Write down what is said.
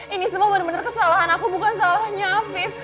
ini semua bener bener kesalahan aku bukan salahnya afif